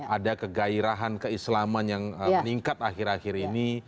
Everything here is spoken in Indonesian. ada kegairahan keislaman yang meningkat akhir akhir ini